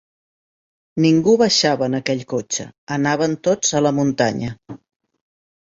Ningú baixava en aquell cotxe, anaven tots a la muntanya